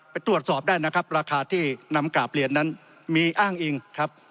ไปตรวจสอบได้นะครับราคาที่นำกราบเรียนนั้นมีอ้างอิงครับ